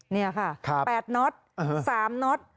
นี่ค่ะ๘น็อต๓น็อต